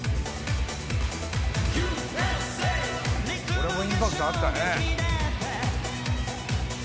これもインパクトあったね。